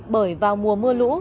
bởi vào mùa mưa lũ